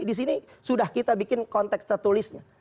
disini sudah kita bikin konteks tertulisnya